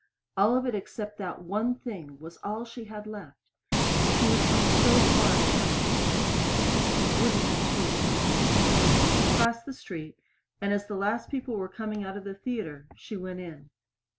All of it except that one thing that was all she had left! She had come so far to have it tonight. She wouldn't be cheated. She crossed the street, and as the last people were coming out of the theater she went in.